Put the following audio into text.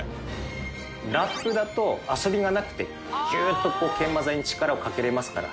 ラップだと遊びがなくてキューッと研磨剤に力をかけれますから。